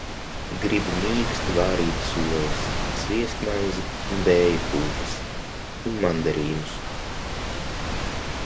Gribu mīksti vārītas olas, sviestmaizi un vēja kūkas... Un mandarīnus...